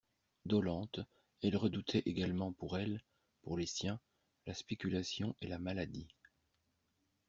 Dolente, elle redoutait également pour elle, pour les siens, la spéculation et la maladie.